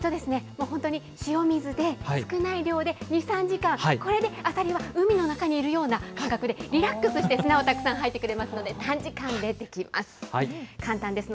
もう本当に塩水で、少ない量で、２、３時間、これでアサリは海の中にいるような感覚で、リラックスして砂をたくさん吐いてくれますので、短時間でできます。